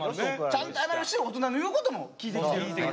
ちゃんと謝るし大人の言うことも聞いてきてる。